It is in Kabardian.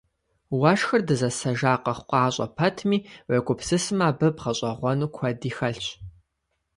Уэшхыр дызэсэжа къэхъукъащӏэ пэтми, уегупсысмэ, абы бгъэщӏэгъуэну куэди хэлъщ.